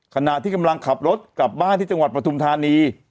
ขณะที่กำลังขับรถกลับบ้านที่จังหวัดปฐุมธานี